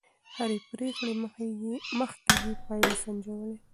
د هرې پرېکړې مخکې يې پايلې سنجولې.